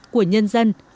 của nhân dân